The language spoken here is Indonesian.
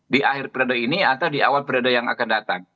di akhir periode ini atau di awal periode yang akan datang